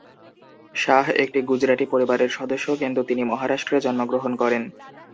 শাহ এক গুজরাটি পরিবারের সদস্য কিন্তু তিনি মহারাষ্ট্রে জন্মগ্রহণ করেন।